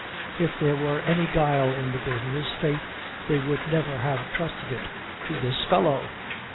If there were any guile in the business, faith, they would never have trusted it to this fellow!'